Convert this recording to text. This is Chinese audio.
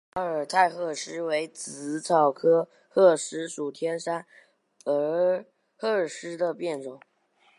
阿尔泰鹤虱为紫草科鹤虱属天山鹤虱的变种。